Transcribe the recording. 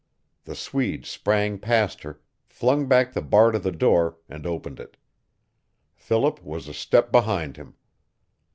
The Swede sprang past her, flung back the bar to the door, and opened it. Philip was a step behind him.